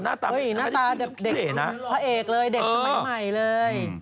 หน้าตาพอเอกเลยเด็กสมัยใหม่เลย